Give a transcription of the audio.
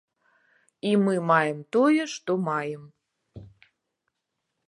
І мы маем тое, што маем.